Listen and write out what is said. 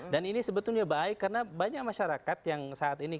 dan ini sebetulnya baik karena banyak masyarakat yang saat ini